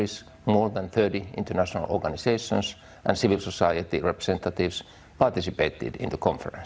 sekitar tujuh puluh negara lebih dari tiga puluh organisasi internasional dan representatif sosial sivil yang berpartisipasi di peradaban